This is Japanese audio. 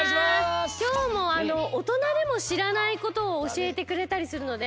きょうもおとなでもしらないことをおしえてくれたりするので。